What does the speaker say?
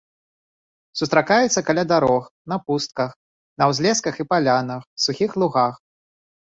Сустракаецца каля дарог, на пустках, на ўзлесках і палянах, сухіх лугах.